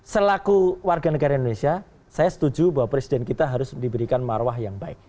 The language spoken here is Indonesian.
selaku warga negara indonesia saya setuju bahwa presiden kita harus diberikan marwah yang baik